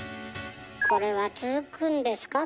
これは続くんですか？